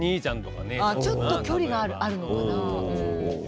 ちょっと距離があるのかな。